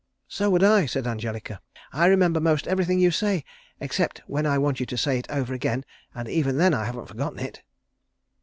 "So would I," said Angelica. "I remember most everything you say, except when I want you to say it over again, and even then I haven't forgotten it."